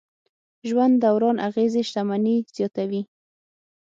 ژوند دوران اغېزې شتمني زیاتوي.